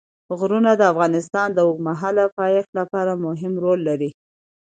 غرونه د افغانستان د اوږدمهاله پایښت لپاره مهم رول لري.